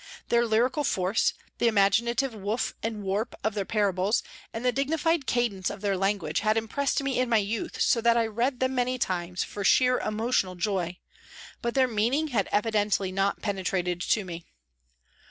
Their lyrical force, the imaginative woof and warp of their " A TRACK TO THE WATER'S EDGE " 157 parables and the dignified cadence of their language had impressed me in my youth so that I read them many times for sheer emotional joy, but their mean ing had evidently not penetrated to me.